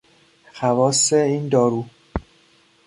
خواص این دارو